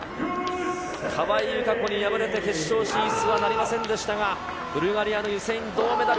川井友香子に敗れて決勝進出はなりませんでしたが、ブルガリアのユセイン、銅メダル。